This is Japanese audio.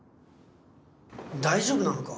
大丈夫なのか？